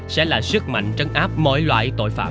sẽ là sức mạnh trấn áp mọi loại tội phạm